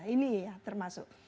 ini ya termasuk